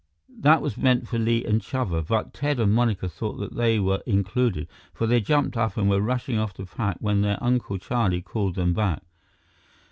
That was meant for Li and Chuba, but Ted and Monica thought that they were included, for they jumped up and were rushing off to pack when their Uncle Charlie called them back.